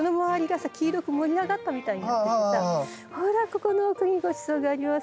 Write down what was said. ここの奥にごちそうがあります